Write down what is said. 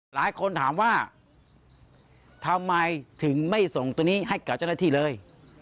หลายคนถามว่าทำไมถึงไม่ส่งตัวนี้ให้กับเจ้าหน้าที่เลย